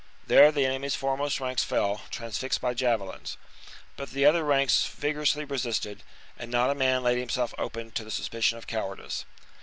There the enemy's foremost ranks fell, transfixed by javelins : but the other ranks vigorously resisted ; and not a man laid himself open to the suspicion of cowardice.